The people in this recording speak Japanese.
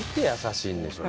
優しい！